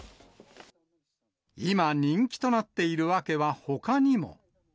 今、人気となっている訳はほかにも。